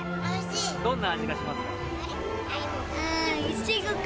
どんな味がしますか？